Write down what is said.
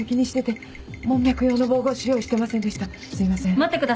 待ってください。